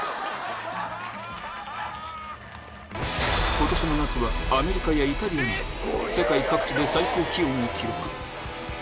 今年の夏はアメリカやイタリアなど世界各地で最高気温を記録